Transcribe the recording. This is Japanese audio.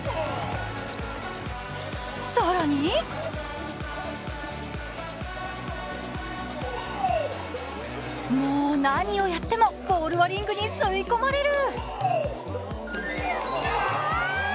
更にもう、何をやってもボールはリングに吸い込まれる！